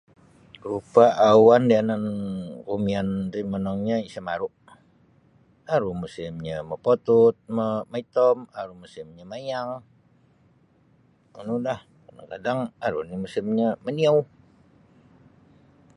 Rupa awan dayanan kumiyan ti monongnya isa maru aru musimnyo mopotut mo moitom aru musimnya maiyang. Aru dah kadang kadang arunyo musimnyo maniou.